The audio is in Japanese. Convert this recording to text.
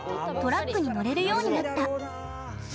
トラックに乗れるようになった。